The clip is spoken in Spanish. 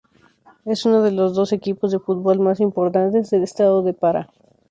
Es uno de los dos equipos de fútbol más importantes del estado de Pará.